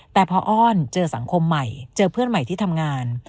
แต่พออ้อนเจอสังคมใหม่เจอเพื่อนใหม่ที่ทำงาน